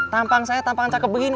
tampang saya tampang cakep begini